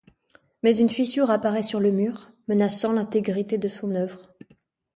Mais une fissure apparaît sur le mur, menaçant l'intégrité de son oeuvre.